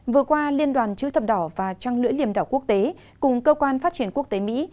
vừa qua liên đoàn chữ thập đỏ và trăng lưỡi liềm đỏ quốc tế cùng cơ quan phát triển quốc tế mỹ